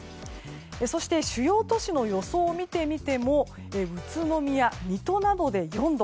そして主要都市の予想を見てみても宇都宮、水戸などで４度。